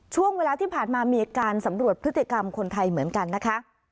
ช่วงเวลาที่ผ่านมามีการสำรวจพฤติกรรมคนไทยเหมือนกันนะคะ